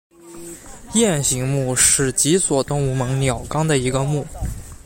雁形目是脊索动物门鸟纲的一个目。